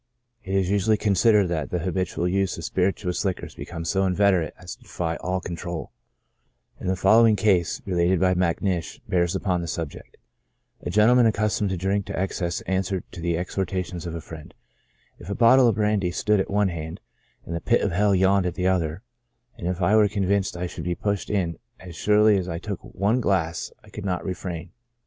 It is usu ally considered that the habitual abuse of spirituous liquors becomes so inveterate as to defy all control ; and the fol lowing case, related by Macnish, bears upon the subject :*' A gentleman accustomed to drink to excess answered to the exhortations of a friend, ' If a bottle of brandy stood at one hand, and the pit of hell yawned at the other, and if I were convinced I should be pushed in as surely as I took one glass, I could not refrain.'"